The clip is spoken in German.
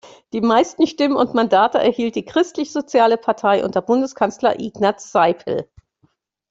Die meisten Stimmen und Mandate erhielt die Christlichsoziale Partei unter Bundeskanzler Ignaz Seipel.